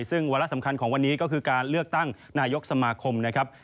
ซึ่งวาระสำคัญของวันนี้ก็คือการเลือกตั้งนายกสมาคมนะครับ